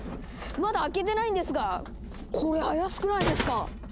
まだ開けてないんですがこれ怪しくないですか？